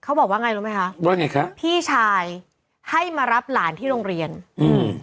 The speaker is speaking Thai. เขาบอกว่าไงรู้ไหมคะว่าไงคะพี่ชายให้มารับหลานที่โรงเรียนอืม